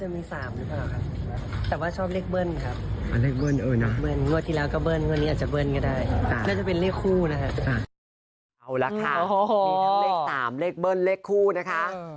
มากอยากรู้กันพอ